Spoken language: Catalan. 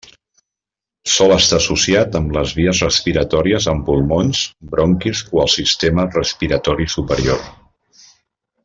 Sol estar associat amb les vies respiratòries en pulmons, bronquis o el sistema respiratori superior.